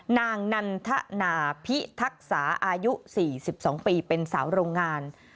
นางนันทนาพิทักษาอายุ๔๒ปีเป็นสาวโรงงาน